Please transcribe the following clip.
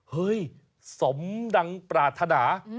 เฮ้ยสมดังปรารถนา